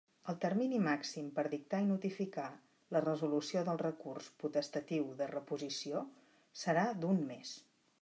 El termini màxim per dictar i notificar la resolució del recurs potestatiu de reposició serà d'un mes.